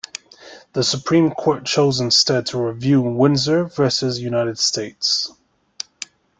The Supreme Court chose instead to review "Windsor versus United States".